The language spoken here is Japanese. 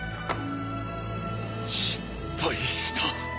「失敗した」。